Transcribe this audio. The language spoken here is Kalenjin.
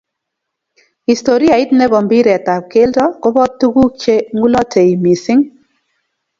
Historiait ne bo mpiret ab kelto kobot tukuk ce ngulotei mising